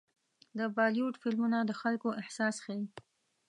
د بالیووډ فلمونه د خلکو احساس ښيي.